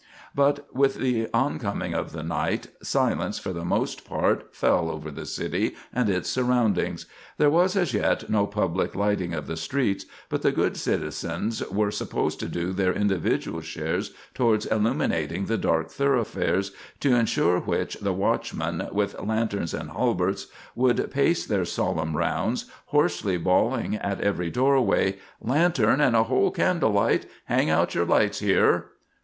But with the oncoming of the night, silence, for the most part, fell over the city and its surroundings. There was as yet no public lighting of the streets, but the good citizens were supposed to do their individual shares towards illuminating the dark thoroughfares, to insure which the watchmen, with lanterns and halberts, would pace their solemn rounds, hoarsely bawling at every doorway, "Lantern and a whole candle light! Hang out your lights here!"